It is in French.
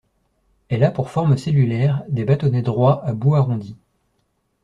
Elle a pour forme cellulaire des bâtonnets droits à bout arrondis.